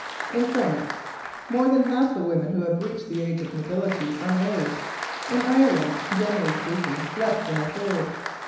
In France, more than half the women who have reached the age of nubility are married; in Ireland, generally speaking, less than a third.